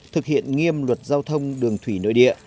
thực hiện nghiêm luật giao thông đường thủy nội địa